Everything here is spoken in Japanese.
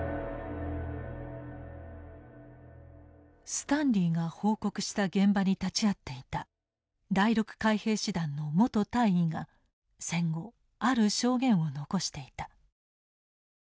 スタンリーが報告した現場に立ち会っていた第６海兵師団の元大尉が戦後ある証言を残していた。